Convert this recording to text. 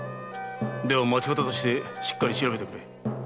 では町方としてしっかり調べてくれ。